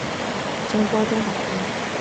将包装打开